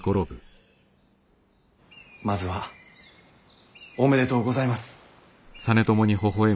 まずはおめでとうございます。